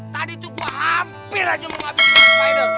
tadi tuh gue hampir aja menghabisin spider